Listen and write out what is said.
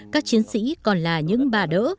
các chiến sĩ còn là những bà đỡ